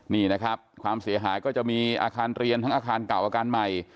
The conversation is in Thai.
นี่นะครับความเสียหายก็จะมีอาคารเรียนทั้งอาคารเก่าอาคารใหม่